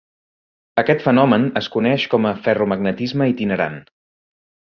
Aquest fenomen es coneix com a "ferromagnetisme itinerant".